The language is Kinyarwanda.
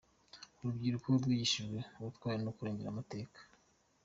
Urubyiruko rwigishijwe ubutwari no kurenga amateka .